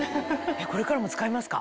これからも使いますか？